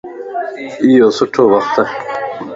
ايو سٺو وقت ائي